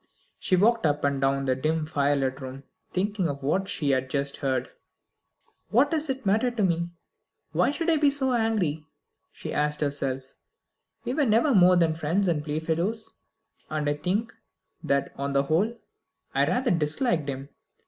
She walked up and down the dim fire lit room, thinking of what she had just heard. "What does it matter to me? Why should I be so angry?" she asked herself. "We were never more than friends and playfellows. And I think that, on the whole, I rather disliked him.